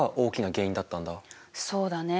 そうだね。